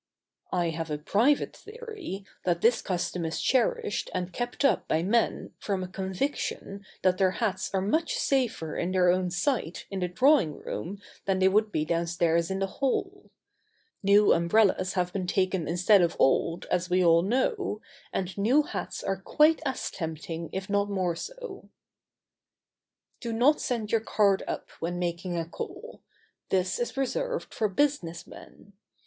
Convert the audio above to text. I have a private theory that this custom is cherished and kept up by men from a conviction that their hats are much safer in their own sight in the drawing room than they would be downstairs in the hall. New umbrellas have been taken instead of old, as we all know, and new hats are quite as tempting, if not more so. [Sidenote: The card should not be sent up.] Do not send your card up when making a call. This is reserved for business men.